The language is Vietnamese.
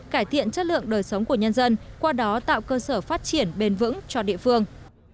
cải thiện chất lượng đời sống của nhân dân qua đó tạo cơ sở phát triển bền vững cho địa phương